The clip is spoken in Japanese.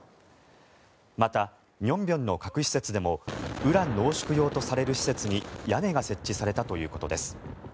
また、寧辺の核施設でもウラン濃縮用とされる施設に屋根が設置されたということです。